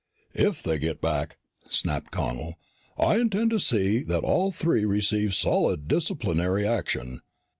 "If they get back," snapped Connel, "I intend to see that all three receive solid disciplinary action."